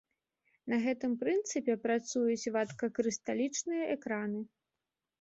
На гэтым прынцыпе працуюць вадкакрысталічныя экраны.